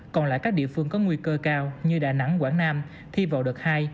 còn lại các địa phương có nguy cơ cao như đà nẵng quảng nam thi vào đợt hai